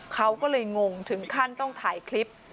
เขาก็เลยงงถึงขั้นต้องถ่ายคลิป